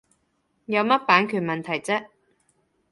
有乜版權問題啫